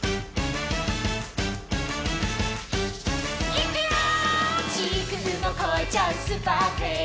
「いくよー！」